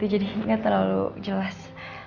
jadi gak terlalu jelas